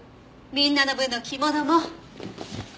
みんなの分の着物も。